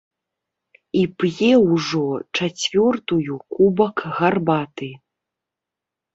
І п'е ўжо чацвёртую кубак гарбаты.